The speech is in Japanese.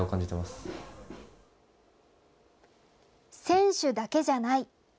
選手だけじゃない。